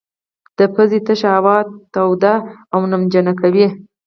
د پزې تشه هوا توده او نمجنه کوي.